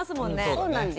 そうなんです。